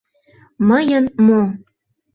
Мыйын мо?